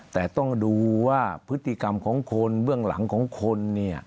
แต่ต้องดูว่าพฤติกรรมของคนเบื้องหลังของคน